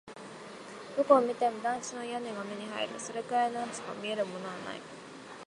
どこを見ても団地の屋根が目に入る。それくらいしか見えるものはない。